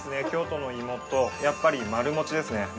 京都の芋とやっぱり丸もちですね